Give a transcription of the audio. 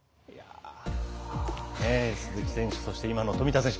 鈴木選手そして今の富田選手。